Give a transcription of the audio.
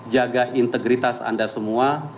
jaga integritas anda semua